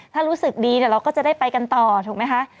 ถ้ารู้สึกดีเดี๋ยวเราก็จะได้ไปกันต่อถูกไหมคะ